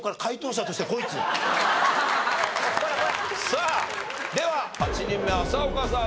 さあでは８人目浅丘さん